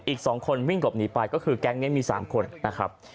อีก๒คนวิ่งหลบหนีไปก็คือแก๊งนี้มี๓คนนะครับ